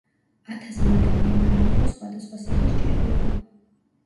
ათასმა ადამიანმა მიიღო სხვადასხვა სახის ჭრილობა.